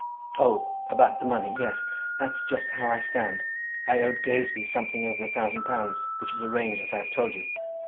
Oh, about the money; yes; that's just how I stand. I owed Gazebee something over a thousand pounds, which is arranged as I have told you.